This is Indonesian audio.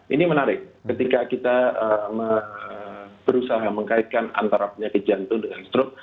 ini menarik ketika kita berusaha mengkaitkan antara penyakit jantung dengan strok